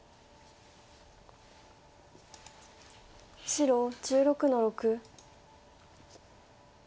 白１６の六。